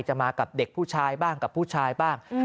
มากับเด็กผู้ชายบ้างกับผู้ชายบ้าง